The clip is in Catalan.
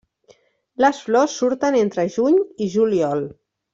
Les flors surten entre juny i juliol.